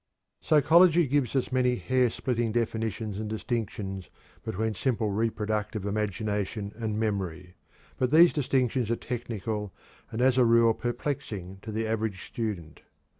Psychology gives us many hairsplitting definitions and distinctions between simple reproductive imagination and memory, but these distinctions are technical and as a rule perplexing to the average student.